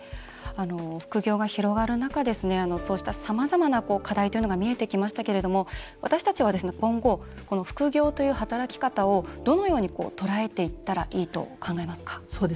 副業が広がる中、そうしたさまざまな課題というのが見えてきましたけれども私たちは、今後副業という働き方をどのように、とらえていったらいいと考えますか？